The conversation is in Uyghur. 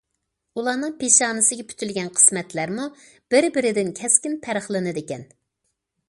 ئۇلارنىڭ پېشانىسىگە پۈتۈلگەن قىسمەتلەرمۇ بىر- بىرىدىن كەسكىن پەرقلىنىدىكەن.